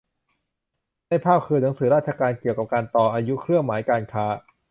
ในภาพคือหนังสือราชการเกี่ยวกับการต่ออายุเครื่องหมายการค้า